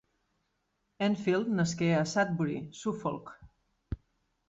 Enfield nasqué a Sudbury, Suffolk.